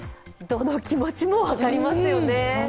どの気持ちも分かりますよね。